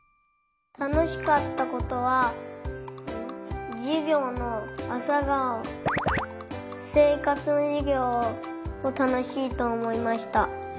たのしかったことはじゅぎょうのあさがおせいかつのじゅぎょうをたのしいとおもいました。